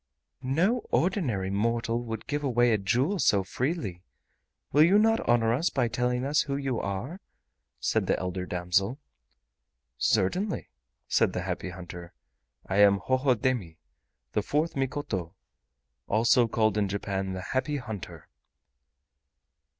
"No ordinary mortal would give away a jewel so freely. Will you not honor us by telling us who you are?" said the elder damsel. "Certainly," said the Happy Hunter, "I am Hohodemi, the fourth Mikoto, also called in Japan, the Happy Hunter."